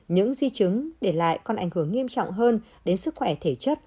những di chứng để lại còn ảnh hưởng nghiêm trọng hơn đến sức khỏe thể chất